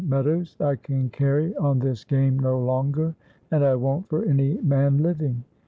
Meadows, I can carry on this game no longer, and I won't for any man living!"